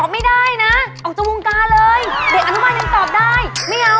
ไม่เอาไม่สมศักดิ์สีผ่าน